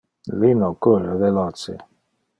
Lino curre veloce.